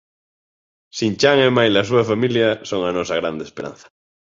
Shin Chan e maila súa familia son a nosa grande esperanza.